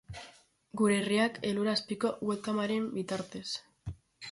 Gure herriak elur azpiko webkameren bitartez.